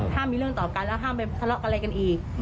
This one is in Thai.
ห้ามมีเรื่องต่อกันและห้ามไปภรรกันอะไรกันอีก